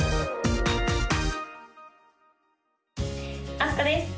あすかです